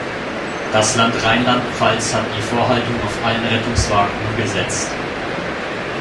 Das Land Rheinland-Pfalz hat die Vorhaltung auf allen Rettungswagen umgesetzt.